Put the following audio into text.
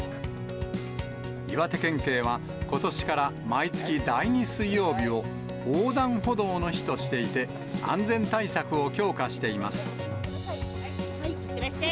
岩手県警はことしから毎月第２水曜日を横断歩道の日としていて、安全対策を強化しています。